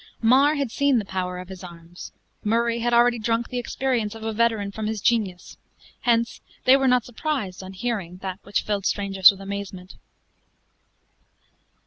Mar had seen the power of his arms; Murray had already drunk the experience of a veteran from his genius; hence they were not surprised on hearing that which filled strangers with amazement.